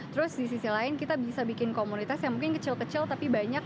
terus di sisi lain kita bisa bikin komunitas yang mungkin kecil kecil tapi banyak